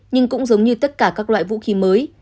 nhưng cũng giống như tất cả các loại vũ khí mới